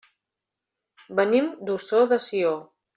Venim d'Ossó de Sió.